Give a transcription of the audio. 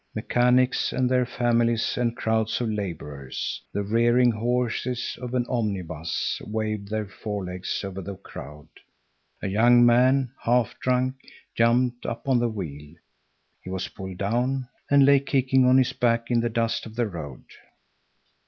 Mechanics and their families and crowds of laborers. The rearing horses of an omnibus waved their forelegs over the crowd. A young man, half drunk, jumped up on the wheel. He was pulled down, and lay kicking on his back in the dust of the road.